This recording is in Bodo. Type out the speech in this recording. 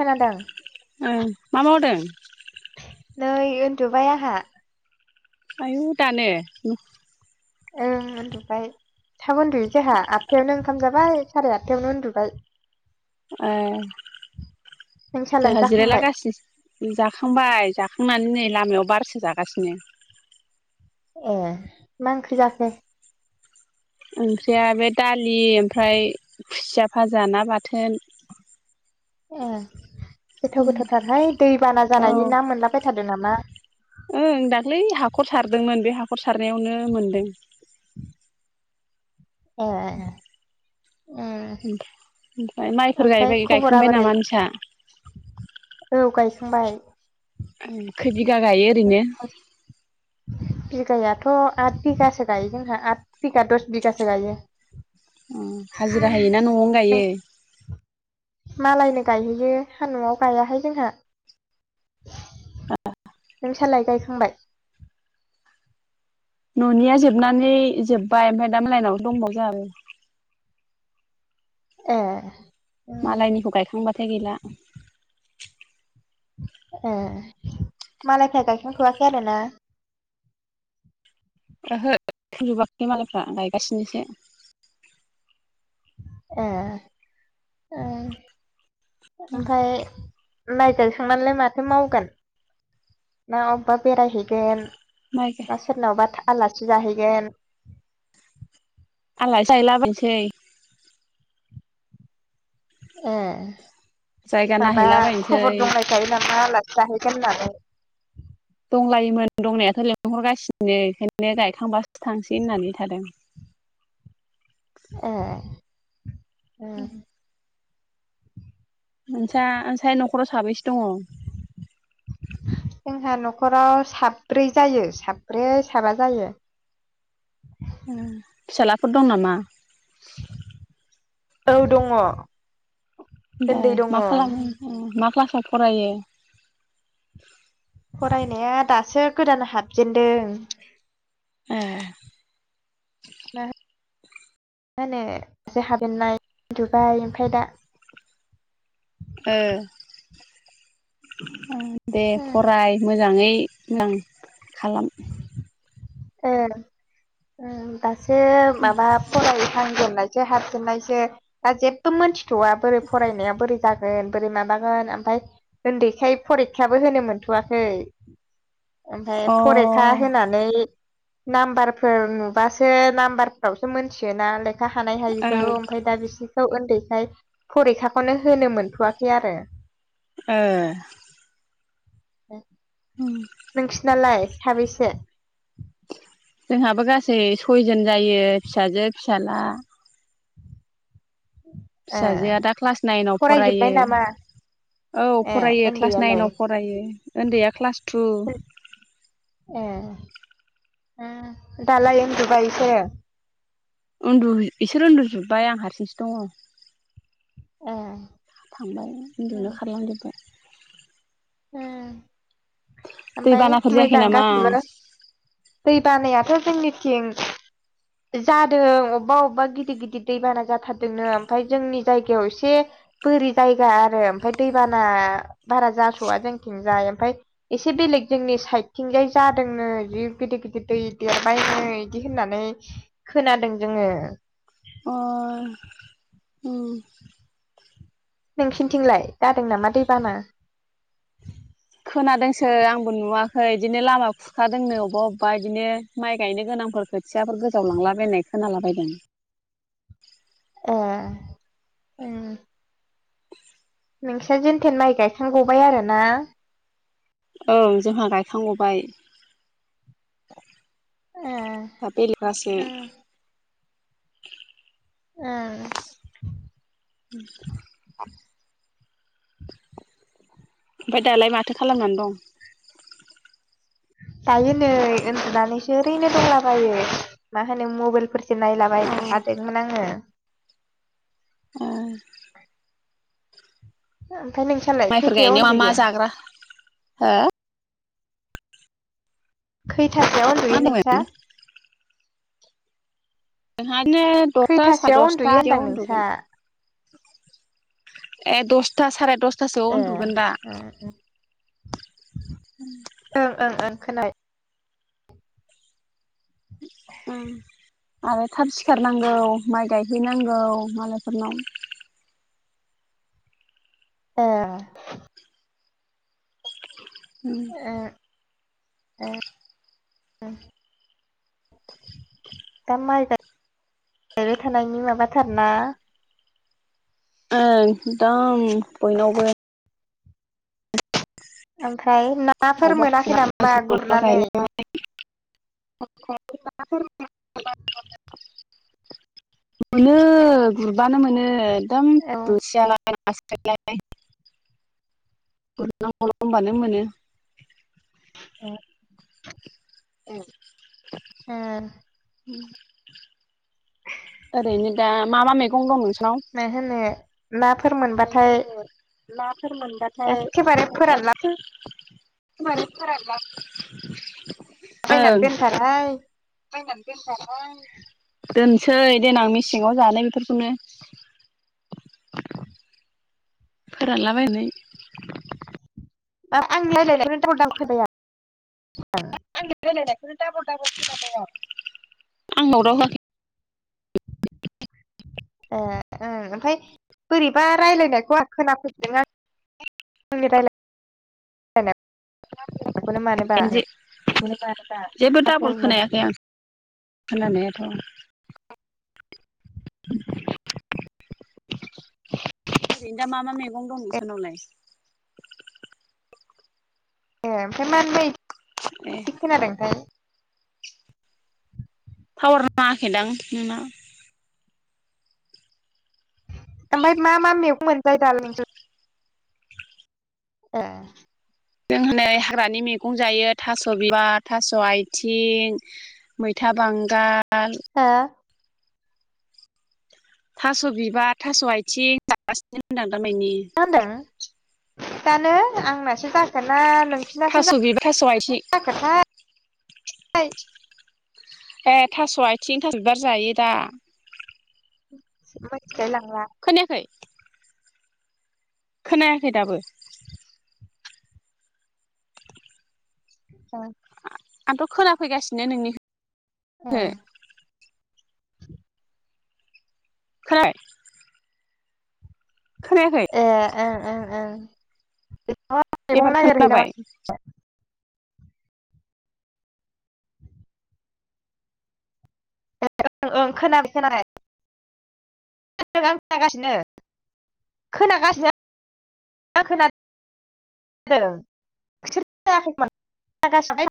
खोनादों? ओ मा मावदों? नै उन्दुबाय आंहा आयु दानो ओम ओं उन्दुबाय थाब उन्दुयो जोंहा आटथायावनो ओंखाम जाबाय सारि आठथायावनो उन्दुबाय। ए नोंसालाय जोंहा जिरायला जाखांबाय गासि जाखांबाय जाखां नानै नै लामायाव बारसो जागासिनो। ए मा ओंख्रि जाखो? ओंख्रिया बे दालि ओमफ्राय खुसिया भाजा ना बाथोन‌। ए गोथाव गोथावथारहाय दैबाना औ जानायनि ना मोनलाबाय थारदों नामा? ओं दाख्लै हाखर सारदोंमोन बे हाखर सारनायावनो मोनदों। ए ओम ओमफ्राय माइफोर ओमफ्राय गायबाय खबरा गायखांबाय बोरै? नामा नोंसा औ गायखांबाय खै बिगा गायो ओरैनो? बिगायाथ' आथ बिगासो गायो जोंहा आथ बिगा दस बिगासो गायो। ओम हाजिरा होयोना न'आवनो नों गायो? मालायनो गायहैयो सान्दुं आव गायाहाय जोंहा। औ नोंसालाय गायखांबाय? न'निया जोबनानै जोबबाय ओमफ्राय दा मालायनाव दंबाव जा आरो ए उम मालायनिखौ गायखांबाथाय गैला। ए मालायफ्रा गायखांथ'वाखै आरो ना? ओहो जोबाखै मालायफ्रा गायगासिनोसो ए ओ ओमफ्राय माइ गायखांनानैलाय माथो मावगोन ना अबेबा बेरायहै गोन‌ माइ ना सोरनावबा था आलासि जाहैगोन? आलासि जाहैलाबायसै ए जायगा माबा नायहैलाबायनोसै खबर दंलाय खायो नामा आलासि जाहैगोन होननानै? [inaudible] दंलायोमोन दंनायाथ' लेंहरगासिनो ओंखायनो गायखांबासो थांसै होननानै थादों। ए ए ओम [unintelligible] न'खराव साबैसे दङ जोंहा न'खराव साब्रै जायो साब्रै साबा जायो फिसालाफोर दं नामा औ दङ दा उन्दै दङ मा खालामो मा क्लासाव फरायो फरायनाया दासो गोदान हाबजेनदों ए मा होनो [unintelligible] होनो जो हाबेननाय उन्दुबाय [unintelligible] दा ओ दे फराय मोजाङै [unintelligible] खालाम ए ओम दासो अ माबा फराय [unintelligible] हाबजेननायसो दा जेबो मोनथिथ'वा बोरै फरायनाया बोरै जागोन बोरै माबा आमफाय उन्दैखाय फरिखाबो होनो मोनथ'वाखै ओमफ्राय फरिखा ओं होनानै नाम्बारफोर नुबासो नाम्बारफोरावसो मोनथियोना हानाय हायिखौ आमफाय दा बेसि उन्दैखाय फरिखाखौनो होनो मोनथ'वाखै आरो ए [unintelligible] नोंसिनालाय साबेसे जोंहाबो गासै सयजन जायो फिसाजो फिसाजाला ए फिसाजोआ दा क्लास नाइनाव फरायजोब्बाय फरायो नामा औ ए फरायो क्लास उन्दैयालाय नाइनाव फरायो उन्दैया क्लास टु ए दालाय उन्दुबाय इसो उन्दु बिसोर उन्दुजोबबाय आं हारसिंसो दङ ए थांबाय उम उन्दुनो खारलांजोबबाय आमफय दैबानाफोर जायाखै मोजां नामा गासिबो दै बानायाथ' जोंनिथिं जादों अबेबा अबेबा गिदिर गिदिर दैबाना जाथारदोंनो ओमफाय जोंनि जायगायाव एसे बोरि जायगा आरो ओमफाय दैबाना बारा जास'वा जोंथिंजाय ओमफाय एसे बेलेग जोंनि साइडथिंजाय जादोंनो जि गिदिर गिदिर दै देर माइ बिदि होननानै खोनादों जोङो अ ओम नोंसिनिथिंलाय जादों नामा दैबाना खोनादोंसो आंबो नुवाखै बिदिनो लामा खुरखादोंनो अबेबा अबेबा बिदिनो माइ गायनो गोनांफोरखौ खोथियाफोर गोजावलांलाबायनाय खोनालाबायदों ए ओम नोंसा जेनथेन माइ गायखांगबाय आरोना औ जोंहा गायखांगबाय ए [unintelligible] उम ए [unintelligible] ओमफाय दालाय माथो खालामनानै दं दायो नै उनदुनानैसो ओरैनो दंलाबायो मा होनो मबाइलफोर नायलाबाय अ थादोंमोन आङो ओ ओमफाय नोंसालाय माइफोर खैथायाव गायनायाव मा मा उन्दुयो जाग्रा खैथासोआव मा उन्दुयो होनदोंमोन नोंस्रा दायो दस्था सार खैथासोआव उन्दुयो दस्थायाव होनदां नोंसा उन्दुगोन। ए दस्था सारे दस्थासोआव ए उन्दुगोन दा? ओं [unintelligible] उम आरो थाब सिखारनांगौ माइ गायहैनांगौ मालायफोरनाव। ए उम ए ए ए [inaudible] दा माइ गायबाय थानायनि माबाथार ना? औ दा उम बयनावबो। ओमफ्राय [inaudible] [inaudible] नाफोर मोनाखै नामा गुरनानै मोनो गुरबानो मोनो एकदम औ बोथिया ना [inaudible] [inaudible] ए उम उम ओरैनो दा मा मा मैगं दं? नोंसानाव मा होनो नाफोर मोनबाथाय नाफोर मोनबाथाय एखेबारे फोरानला एकदम [inaudible] ट्रेनानो बेलथायबाय ट्रेनानो बेलथायबाय दोनसै देनां मेसेङाव जानो बेफोरखौनो फोरानलाबायनानै [inaudible] आंजों रायलायबासो दाबल दाबल खोनादों आं। आं लाउदाव होआखै खोनाबाय ए ओं ओमफ्राय बोरैबा रायजलायनायखौ आं खोनाफैदों [inaudible] मानोबा [inaudible] जेबो डाबल दाबलनो खोनायाखै आं [inaudible] [inaudible] [inaudible] ओरैनो दा मा मा मैगं दं ए बिसोरनावलाय? ए ओमफ्राय मानोबा ए बिदि खोनादोंथाय। थावार नाङाखैदां नोंनाव। ओमफ्राय मा मा मैगं मोनजायो दालाय ए जों हनै हाग्रानि मैगं जायो थास' बिबार थास' आथिं मैथा बांगाल मा थास' बिबार थास' आथिं जागासिबो होनदां दामानि होनदों दानो आंनासो जाखोन ना नोंसिनासो थास' बिबार थास' आथिं जोखोथाय ए थास' आथिं थास बिबार जायो दा। [inaudible] खोनायाखै? खोनायाखै दाबो? अ आंथ' खोनफैगासिनो नोंनि ओ। [inaudible] खोनायाखै ए ओं ओं ओं बेखौ मैगं एबार नागिरहैयो नामा खोनाबाय ओं ओं खोनाबाय खोनाबाय [inaudible] खोनागासिनो [inaudible] [inaudible]